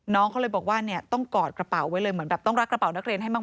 น้องเขาเลยบอกว่าเนี่ยต้องกอดกระเป๋าไว้เลยเหมือนแบบต้องรักกระเป๋านักเรียนให้มาก